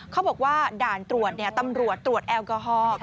เขาบอกว่าด่านตรวจตำรวจตรวจแอลกอฮอล์